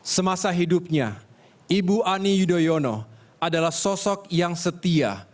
semasa hidupnya ibu ani yudhoyono adalah sosok yang setia